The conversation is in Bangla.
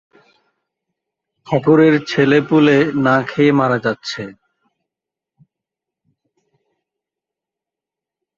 ঠাকুরের ছেলেপুলে না খেয়ে মারা যাচ্ছে।